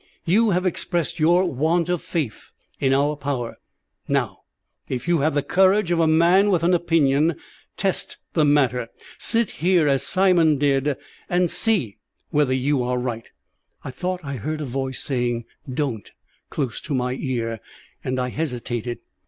"You have expressed your want of faith in our power; now, if you have the courage of a man with an opinion, test the matter. Sit here as Simon did, and see whether you are right." I thought I heard a voice saying "Don't!" close to my ear, and I hesitated.